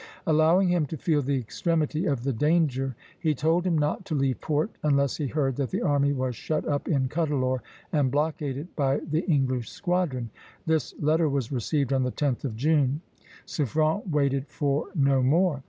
Allowing him to feel the extremity of the danger, he told him not to leave port unless he heard that the army was shut up in Cuddalore, and blockaded by the English squadron. This letter was received on the 10th of June. Suffren waited for no more.